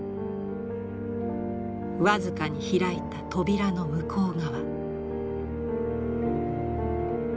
僅かに開いた扉の向こう側。